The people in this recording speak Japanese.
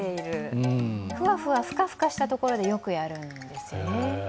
ふわふわ、ふかふかした所でよくやるんですね。